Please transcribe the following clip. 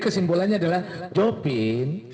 simbolnya adalah jopin